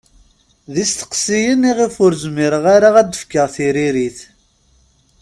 D isteqsiyen i ɣef ur zmireɣ ara ad d-fkeɣ tiririt.